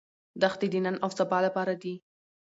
دښتې د نن او سبا لپاره دي.